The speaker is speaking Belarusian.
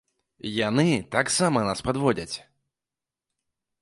Яны таксама нас падводзяць.